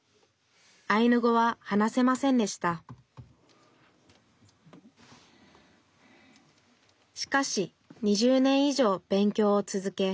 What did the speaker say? アイヌ語は話せませんでしたしかし２０年以上勉強を続け